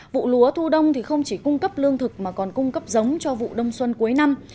vụ lúa thu đông không chỉ cung cấp lương thực mà còn cung cấp giống cho vụ đông xuân cuối năm